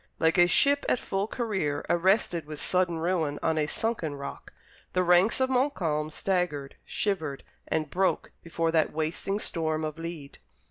Like a ship at full career arrested with sudden ruin on a sunken rock, the ranks of Montcalm staggered, shivered, and broke before that wasting storm of lead.